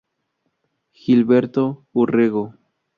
Gilberto Urrego.